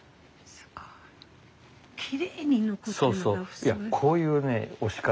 いやこういう押し方